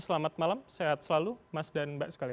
selamat malam sehat selalu mas dan mbak sekalian